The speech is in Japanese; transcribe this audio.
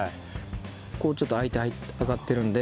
こうちょっと開いて上がってるんで。